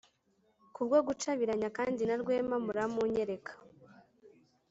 kubwo gucabiranya, kandi na rwema muramunyereka